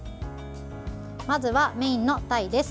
まずはメインのたいです。